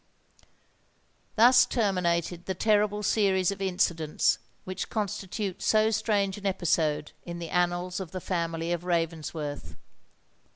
Thus terminated that terrible series of incidents which constitute so strange an episode in the annals of the family of Ravensworth.